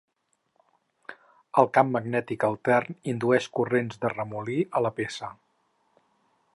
El camp magnètic altern indueix corrents de remolí a la peça.